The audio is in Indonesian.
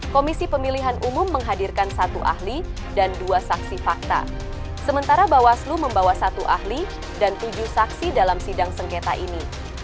komisi pemilihan umum menghadirkan satu ahli dan dua saksi fakta sementara bawaslu membawa satu ahli dan tujuh saksi dalam sidang sengketa ini